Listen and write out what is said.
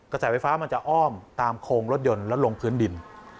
สายไฟฟ้ามันจะอ้อมตามโครงรถยนต์แล้วลงพื้นดิน